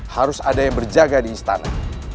harus ada yang berjaga di istana